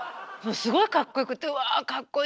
すごいかっこよくって「うわかっこいいな。